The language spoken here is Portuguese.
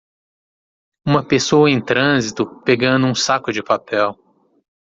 Uma pessoa em trânsito pegando? um saco de papel.